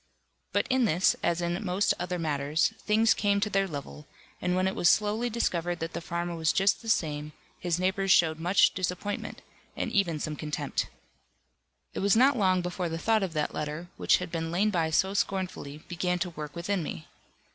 But in this, as in most other matters, things came to their level, and when it was slowly discovered that the farmer was just the same, his neighbours showed much disappointment, and even some contempt. It was not long before the thought of that letter, which had been laid by so scornfully, began to work within me.